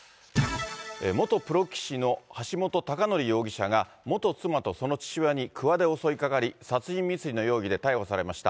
元プロ棋士の橋本崇載容疑者が、元妻とその父親にくわで襲いかかり、殺人未遂の容疑で逮捕されました。